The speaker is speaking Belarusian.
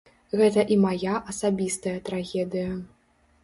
Гэта і мая асабістая трагедыя.